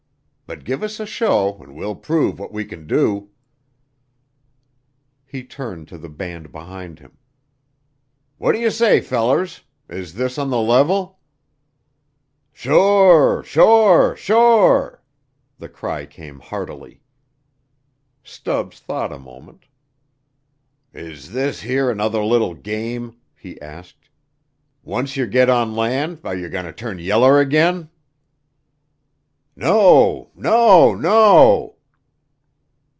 But give us a show an' we'll prove what we can do." He turned to the band behind him. "Wha' d' yer say, fellers? Is this on the level?" "Sure! Sure! Sure!" The cry came heartily. Stubbs thought a moment. "Is this here another little game?" he asked. "Once yer git on land are yer goin' ter turn yeller agin?" "No! No! No!"